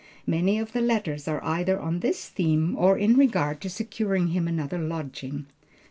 Many of the letters are either on this theme or in regard to securing him another lodging.